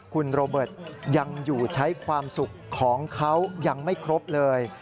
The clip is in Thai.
คุณโรเบิร์ตยังอยู่ใช้ความสุขของเขายังไม่ครบเลย